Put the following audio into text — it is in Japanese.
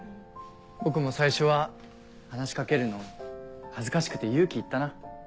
僕も最初は話し掛けるの恥ずかしくて勇気いったな。